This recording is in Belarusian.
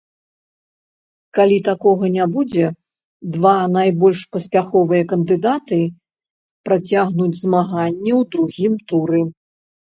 Калі такога не будзе, два найбольш паспяховыя кандыдаты працягнуць змаганне ў другім туры.